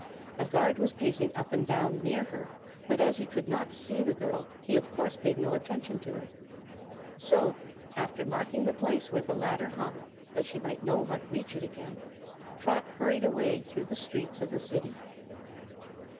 A guard was pacing up and down near her, but as he could not see the girl he of course paid no attention to her. So, after marking the place where the ladder hung, that she might know how to reach it again, Trot hurried away through the streets of the city.